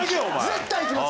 絶対いきます